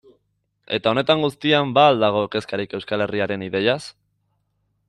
Eta honetan guztian ba al dago kezkarik Euskal Herriaren ideiaz?